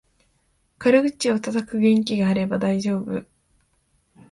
軽口をたたく元気があれば大丈夫